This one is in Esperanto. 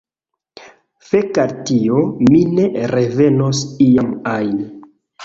Fek al tio, mi ne revenos iam ajn!